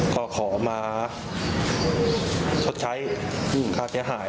ก็ขอมาชดใช้ค่าเสียหาย